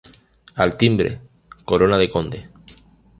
Al timbre, corona de conde.